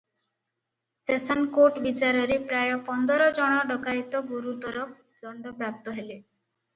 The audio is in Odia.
ସେସନକୋଟ ବିଚାରରେ ପ୍ରାୟ ପନ୍ଦର ଜଣ ଡକାଏତ ଗୁରୁତର ଦଣ୍ଡ ପ୍ରାପ୍ତ ହେଲେ ।